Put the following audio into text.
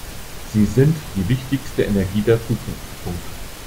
Sie sind die wichtigste Energie der Zukunft.